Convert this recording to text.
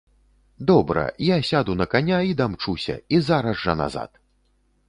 Добра, я сяду на каня, і дамчуся, і зараз жа назад.